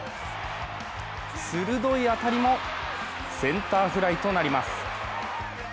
鋭い当たりもセンターフライとなります。